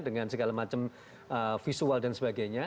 dengan segala macam visual dan sebagainya